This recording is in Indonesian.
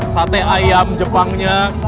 sate ayam jepangnya